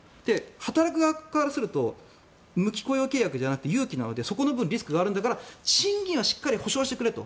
働く側からすると無期雇用契約じゃなくて有期なのでそこの部分リスクがあるから賃金はしっかり保証してくれと。